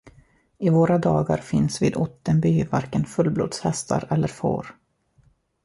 I våra dagar finns vid Ottenby varken fullblodshästar eller får.